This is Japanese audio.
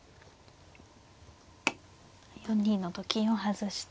４二のと金を外して。